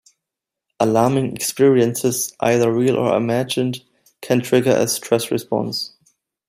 Alarming experiences, either real or imagined, can trigger a stress response.